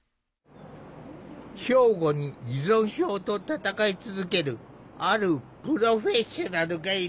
兵庫に依存症と闘い続けるあるプロフェッショナルがいる。